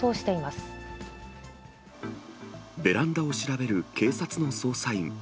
ベランダを調べる警察の捜査員。